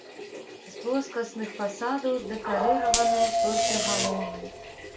З плоскасных фасадаў дэкарыраваны толькі галоўны.